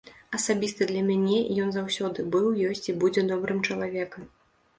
Асабіста для мяне ён заўсёды быў, ёсць і будзе добрым чалавекам.